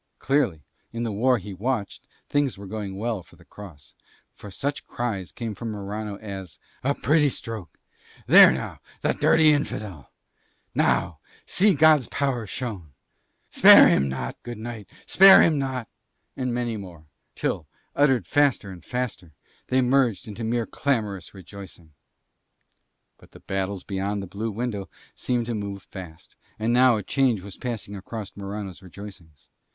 Clearly, in the war he watched things were going well for the Cross, for such cries came from Morano as "A pretty stroke," "There now, the dirty Infidel," "Now see God's power shown," "Spare him not, good knight; spare him not," and many more, till, uttered faster and faster, they merged into mere clamorous rejoicing. But the battles beyond the blue window seemed to move fast, and now a change was passing across Morano's rejoicings.